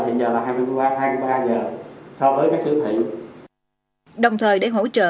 khi đóng cửa là lúc trước là hai mươi hai giờ thì bây giờ là hai mươi ba giờ so với các siêu thị đồng thời để hỗ trợ